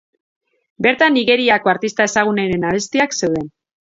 Bertan Nigeriako artista ezagunenen abestiak zeuden.